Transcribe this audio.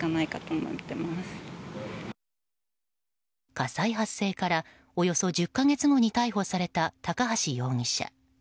火災発生からおよそ１０か月後に逮捕された高橋容疑者。